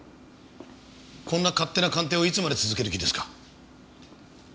こんな勝手な鑑定をいつまで続ける気ですか？